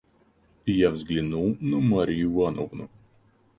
Я взглянул на Марью Ивановну.